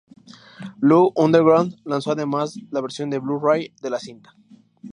Blue Underground lanzó además la versión en Blu-Ray de la cinta.